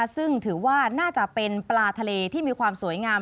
ซึ่งถือว่าน่าจะเป็นปลาทะเลที่มีความสวยงาม